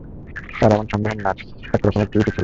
তার এমন ছন্দহীন নাচ এক রকমের কিউটই ছিল।